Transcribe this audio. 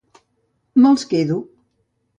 Me'ls quedo.